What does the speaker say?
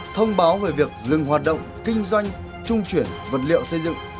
thông báo về việc dừng hoạt động kinh doanh trung chuyển vật liệu xây dựng